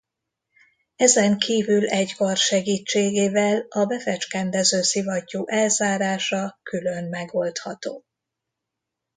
Ezen kívül egy kar segítségével a befecskendező szivattyú elzárása külön megoldható.